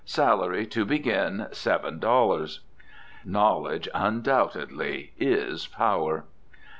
Salary, to begin, seven dollars." Knowledge, undoubtedly, is power!